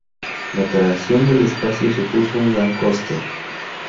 La creación del espacio supuso un gran coste.